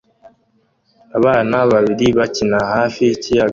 Abana babiri bakina hafi y'ikiyaga